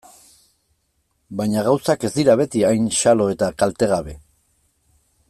Baina gauzak ez dira beti hain xalo eta kaltegabe.